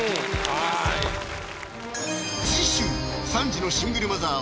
次週３児のシングルマザー